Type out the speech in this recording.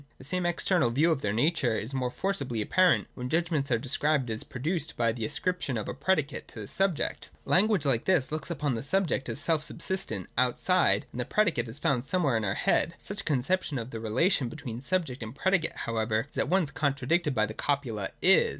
The same external view of their nature is more forcibly apparent when judgments are described as produced by the ascription of a predicate to the subject. i66, 167.] JUDGMENT. 299 Language like this looks upon the subject as self subsistent outside, and the predicate as found somewhere in our head. Such a conception of the relation between subject and predicate however is at once contradicted by the copula ' is.'